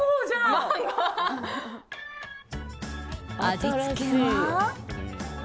味付けは。